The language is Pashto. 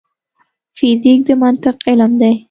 فزیک د منطق علم دی